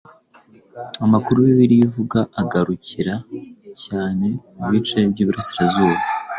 Amakuru Bibiliya ivuga agarukira cyane mubice by‟iburasirazuba